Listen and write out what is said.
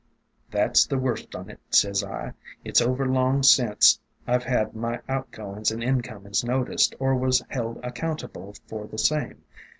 " 'That 's the worst on 't,' sez I. 'It 's over long sence I 've had my outgoin's and incomin's noticed or was held accountable for the same.